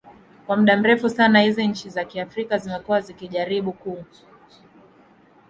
kwa muda mrefu sana hizi nchi za kiafrika zimekuwa zikijaribu kuu